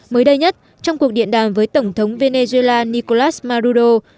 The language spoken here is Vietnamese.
mới đây nhất trong cuộc điện đàm với tổng thống venezuela nicolas maduro